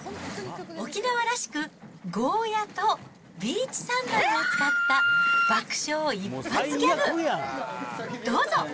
沖縄らしく、ゴーヤとビーチサンダルを使った、爆笑一発ギャグ、どうぞ。